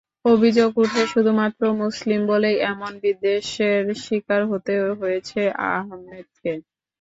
অভিযোগ ওঠে-- শুধুমাত্র মুসলিম বলেই এমন বিদ্বেষের শিকার হতে হয়েছে আহমেদকে।